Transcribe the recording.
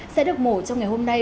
sẽ được mổ trong ngày hôm nay